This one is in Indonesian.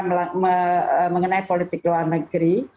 mengenai politik luar negeri